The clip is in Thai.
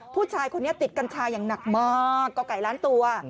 ผู้ชายคนนี้ติดกัญชาอย่างหนักมากก่อไก่ล้านตัว